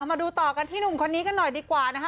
มาดูต่อกันที่หนุ่มคนนี้กันหน่อยดีกว่านะคะ